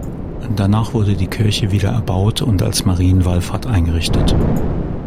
Danach wurde die Kirche wieder erbaut und als Marienwallfahrt eingerichtet.